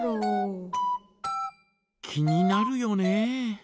気になるよね。